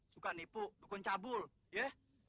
suka nipu dukun cabul ya